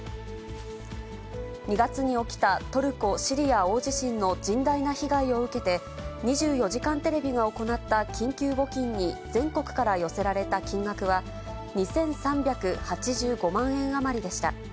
２月に起きたトルコ・シリア大地震の甚大な被害を受けて、２４時間テレビが行った緊急募金に全国から寄せられた金額は、２３８５万円余りでした。